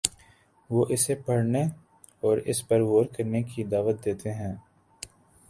وہ اسے پڑھنے اور اس پر غور کرنے کی دعوت دیتے ہیں۔